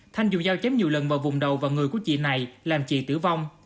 thanh dùng dao chém nhiều lần vào vùng đầu và người của chị này làm chị tử vong